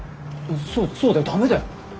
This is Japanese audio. そうそうだよダメだよ。